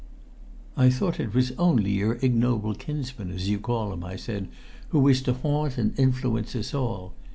"I thought it was only your ignoble kinsman, as you call him," I said, "who was to haunt and influence us all.